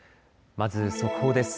まず速報です。